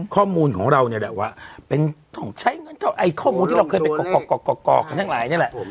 ข้อมูลของเราเนี่ยแหละว่าข้อมูลที่เราเคยไปกรอกขนาดหลายเนี่ยแหละ